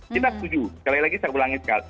kita setuju sekali lagi saya ulangi sekali